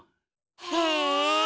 へえ！